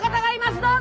どうぞ！